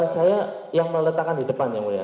saya yang meletakkan di depan yang mulia